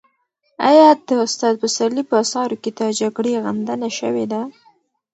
آیا د استاد پسرلي په اثارو کې د جګړې غندنه شوې ده؟